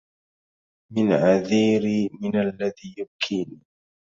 من عذيري من الذي يبكيني